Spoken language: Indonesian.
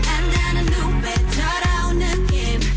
anda nungbetarau nekim